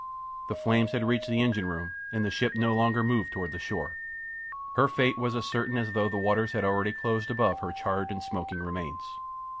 The flames had reached the engine room, and the ship no longer moved toward the shore. Her fate was as certain as though the waters had already closed above her charred and smoking remains.